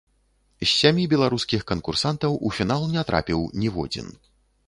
З сямі беларускіх канкурсантаў у фінал не трапіў ніводзін.